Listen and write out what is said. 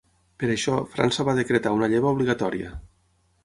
Per això, França va decretar una lleva obligatòria.